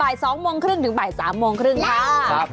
๒โมงครึ่งถึงบ่าย๓โมงครึ่งค่ะ